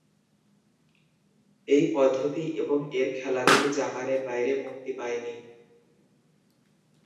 এই পদ্ধতি এবং এর খেলাগুলি জাপানের বাইরে মুক্তি পায় নি।